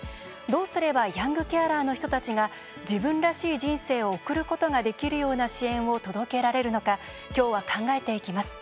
どうすればヤングケアラーの人たちが自分らしい人生を送ることができるような支援を届けられるのか今日は考えていきます。